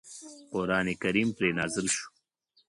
قرآن کریم پرې نازل شو.